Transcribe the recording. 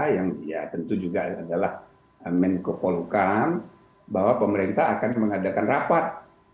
yang ya tentu juga adalah menko polukam bahwa pemerintah akan mengadakan rapat